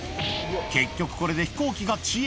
結局、これで飛行機が遅延。